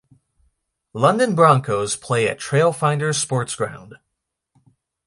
London Broncos play at Trailfinders Sports Ground.